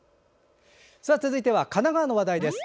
続いては神奈川の話題です。